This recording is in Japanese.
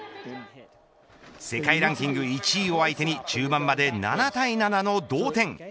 世界ランキング１位を相手に中盤まで７対７の同点。